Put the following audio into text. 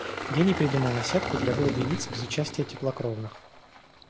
Гений придумал наседку для вывода яиц без участия теплокровных.